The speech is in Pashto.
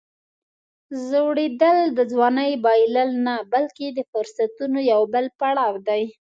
زوړېدل د ځوانۍ بایلل نه، بلکې د فرصتونو یو بل پړاو دی.